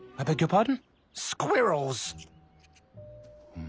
うん？